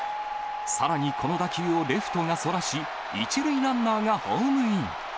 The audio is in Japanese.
さらにこの打球をレフトがそらし、１塁ランナーがホームイン。